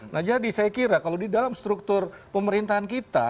nah jadi saya kira kalau di dalam struktur pemerintahan kita